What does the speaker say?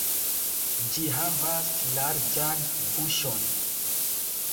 Ĝi havas larĝan buŝon.